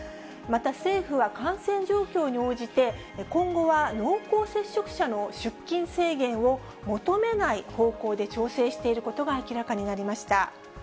また政府は感染状況に応じて、今後は濃厚接触者の出勤制限を求めない方向で調整していることが明らかになりました。